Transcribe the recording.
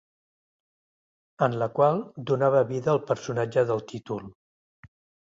En la qual donava vida al personatge del títol.